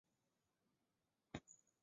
因为害怕就不敢想像